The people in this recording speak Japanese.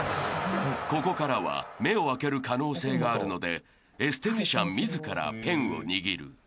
［ここからは目を開ける可能性があるのでエステティシャン自らペンを握る］